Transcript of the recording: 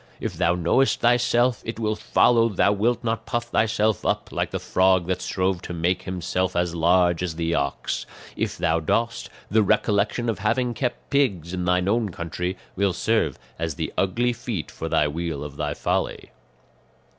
If thou knowest thyself, it will follow thou wilt not puff thyself up like the frog that strove to make himself as large as the ox; if thou dost, the recollection of having kept pigs in thine own country will serve as the ugly feet for the wheel of thy folly."